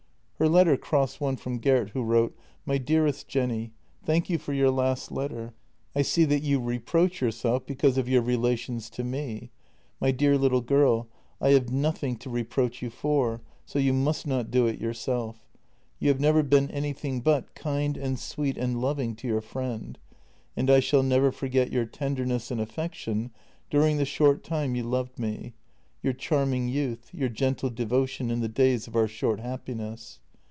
Her letter crossed one from Gert, who wrote: " My Dearest Jenny, — Thank you for your last letter. I see that you reproach yourself because of your relations to me; my dear little girl, I have nothing to reproach you for, so you must not do it yourself. You have never been anything but kind and sweet and loving to your friend, and I shall never forget your tenderness and affection during the short time you loved me — your charming youth, your gentle devotion in the days of our short happiness.